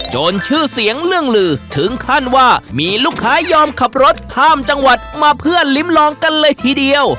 ชื่อเสียงเรื่องลือถึงขั้นว่ามีลูกค้ายอมขับรถข้ามจังหวัดมาเพื่อลิ้มลองกันเลยทีเดียว